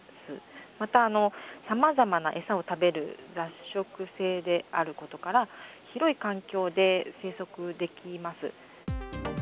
また、さまざまな餌を食べる雑食性であることから広い環境で生息できます。